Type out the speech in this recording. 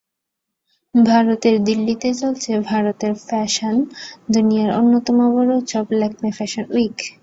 ভারতের দিল্লিতে চলছে ভারতের ফ্যাশন দুনিয়ার অন্যতম বড় উৎসব ল্যাকমে ফ্যাশন উইক।